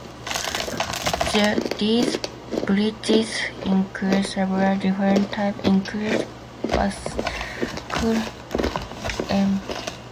These bridges include several different types, including bascule and vertical lift bridges.